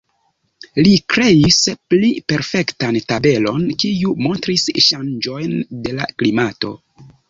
Li kreis pli perfektan tabelon, kiu montris ŝanĝojn de la klimato.